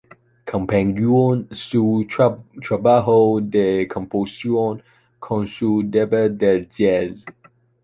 Compaginó su trabajo de compositor con su banda de jazz.